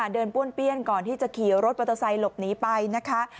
ป้วนเปี้ยนก่อนที่จะขี่รถมอเตอร์ไซค์หลบหนีไปนะคะ